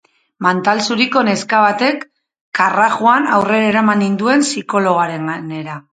Mantal zuriko neska batek karrajuan aurrera eraman ninduen psikologoarenera.